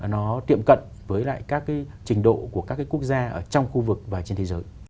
nó tiệm cận với lại các cái trình độ của các cái quốc gia ở trong khu vực và trên thế giới